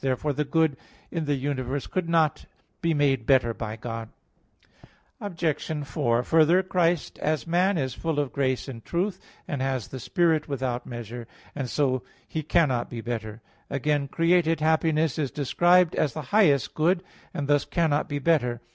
Therefore the good in the universe could not be made better by God. Obj. 4: Further, Christ as man is full of grace and truth, and has the Spirit without measure; and so He cannot be better. Again created happiness is described as the highest good, and thus cannot be better.